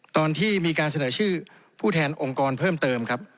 ตอนที่มีการเสนอชื่อผู้แทนองค์กรเพิ่มเติมครับ